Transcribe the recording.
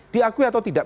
diakui atau tidak